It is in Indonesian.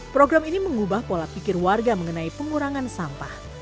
program ini mengubah pola pikir warga mengenai pengurangan sampah